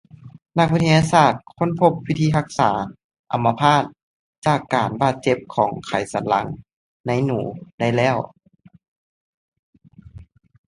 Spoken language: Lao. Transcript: ນັກວິທະຍາສາດຄົ້ນພົບວິທີຮັກສາອຳມະພາດຈາກການບາດເຈັບຂອງໄຂສັນຫຼັງໃນໜູໄດ້ແລ້ວ